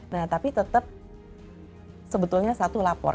nah tapi tetap sebetulnya satu lapor